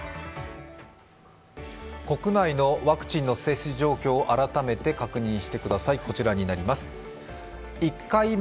国内のワクチンの接種状況を改めて確認してください。